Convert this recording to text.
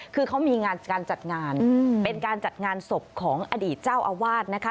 คือเขามีงานการจัดงานเป็นการจัดงานศพของอดีตเจ้าอาวาสนะคะ